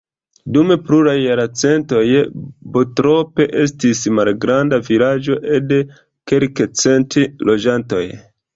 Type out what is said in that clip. Dum pluraj jarcentoj Bottrop estis malgranda vilaĝo ede kelkcent loĝantoj.